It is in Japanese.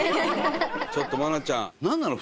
ちょっと愛菜ちゃんなんなの？